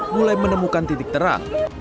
mulai menemukan titik terang